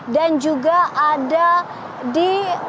dan juga ada di